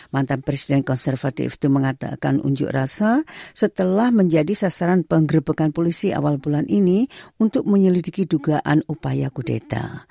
mantan presiden konservatif itu mengadakan unjuk rasa setelah menjadi sasaran penggrebekan polisi awal bulan ini untuk menyelidiki dugaan upaya kudeta